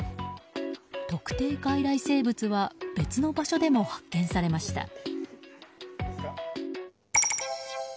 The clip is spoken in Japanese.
特定外来生物は別の場所でも発見されました。